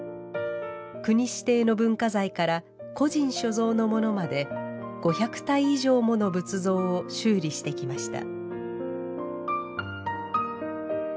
国指定の文化財から個人所蔵のものまで５００体以上もの仏像を修理してきました。